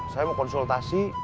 saya mau konsultasi